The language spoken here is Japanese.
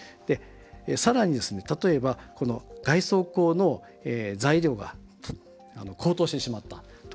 さらに、例えば、この外装工の材料が高騰してしまったとか。